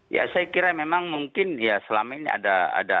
ya saya kira memang mungkin ya selama ini ada